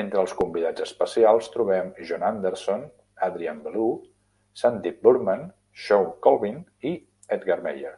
Entre els convidats especials trobem Jon Anderson, Adrian Belew, Sandip Burman, Shawn Colvin i Edgar Meyer.